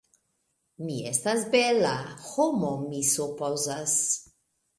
Mi estas bela... homo mi supozas.